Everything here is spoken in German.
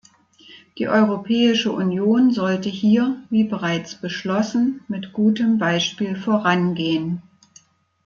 Die Europäische Union sollte hier, wie bereits beschlossen, mit gutem Beispiel vorangehen.